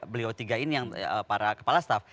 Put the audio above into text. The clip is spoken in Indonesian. beliau tiga ini yang para kepala staff